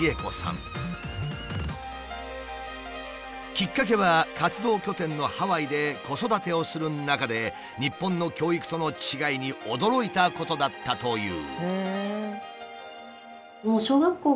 きっかけは活動拠点のハワイで子育てをする中で日本の教育との違いに驚いたことだったという。